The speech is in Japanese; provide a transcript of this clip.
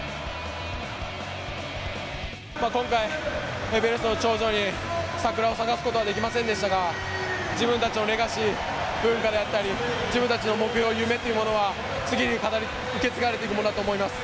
今回、エベレストの頂上に桜を咲かすことはできませんでしたが、自分たちのレガシー、文化であったり、自分たちの目標、夢っていうものは次に受け継がれていくものだと思います。